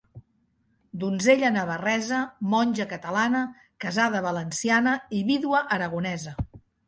Donzella navarresa, monja catalana, casada valenciana i vídua aragonesa.